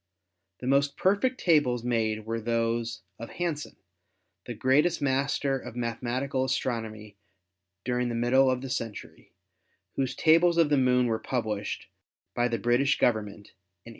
The most perfect tables made were those of Hansen, the greatest master of mathematical astronomy during the middle of the century, whose tables of the Moon were published by the British Government in 1857.